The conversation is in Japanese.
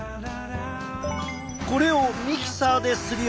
これをミキサーですりおろし。